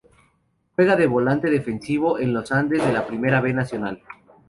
Juega de volante defensivo en Los Andes de la Primera B Nacional.